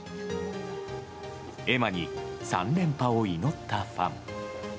絵馬に３連覇を祈ったファン。